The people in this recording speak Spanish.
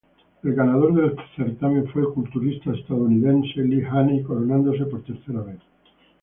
El ganador del certamen fue el culturista estadounidense Lee Haney, coronándose por tercera vez.